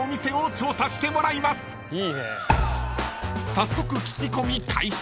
［早速聞き込み開始］